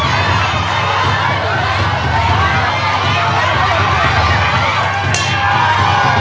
ใจเย็นใจเย็นใจเย็น